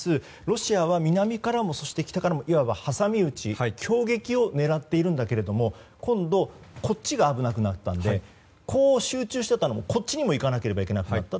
ロシアは南からも北からも挟み撃ち京劇を狙っているんだけれども今度はこっちが危なくなったので南に集中していたのをこっちにもいかなければいかなくなった。